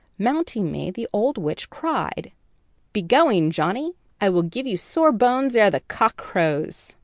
Mounting me, the old witch cried: "'Be going, Johnnie, I will give you sore bones ere the cock crows.'